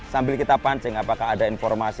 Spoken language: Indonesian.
sambil kita pancing apakah ada informasi